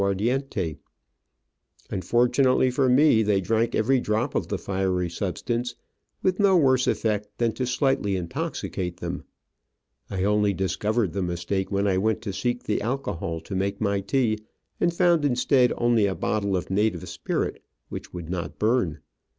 Digitized by VjOOQIC OF AN Orchid Hunter, 91 Unfortunately for me, they drank every drop of the fiery substance, with no worse effect than to slightly intoxicate them. I only discovered the mistake when I went to seek the alcohol to make my tea and found instead only a bottle of native spirit which would not burn.